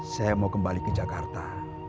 saya mau kembali ke jakarta